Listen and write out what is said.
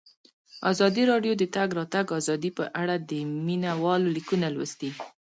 ازادي راډیو د د تګ راتګ ازادي په اړه د مینه والو لیکونه لوستي.